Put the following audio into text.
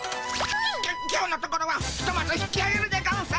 今日のところはひとまず引きあげるでゴンス！